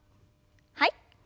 はい。